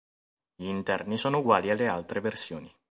Gli interni sono uguali alle altre versioni.